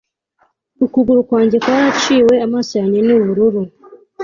Ukuguru kwanjye kwaraciwe amaso yanjye ni ubururu